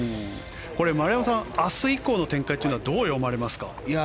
丸山さん明日以降の展開はどう読まれますか？